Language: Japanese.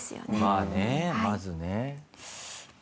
まあねまずね。